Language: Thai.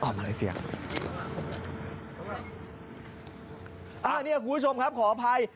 คุณผู้ชมครับขออภัย